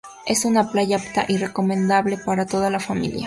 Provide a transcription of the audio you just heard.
Es una playa apta y recomendable para toda la familia.